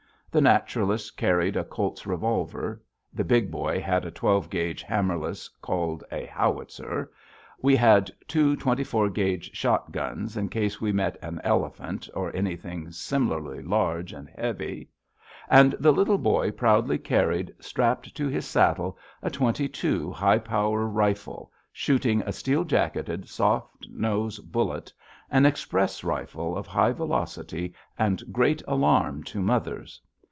The naturalist carried a Colt's revolver; the Big Boy had a twelve gauge hammerless, called a "howitzer." We had two twenty four gauge shotguns in case we met an elephant or anything similarly large and heavy, and the Little Boy proudly carried, strapped to his saddle, a twenty two high power rifle, shooting a steel jacketed, soft nose bullet, an express rifle of high velocity and great alarm to mothers.